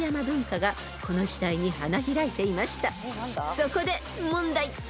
［そこで問題］